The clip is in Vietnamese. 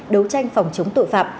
đấu tranh phòng chống tội phạm